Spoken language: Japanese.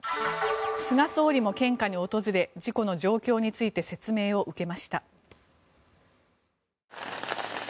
菅総理も献花に訪れ事故の状況について説明を受けました。